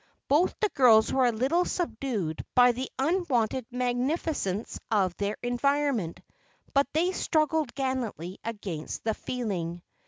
Both the girls were a little subdued by the unwonted magnificence of their environment, but they struggled gallantly against the feeling.